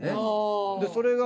それが。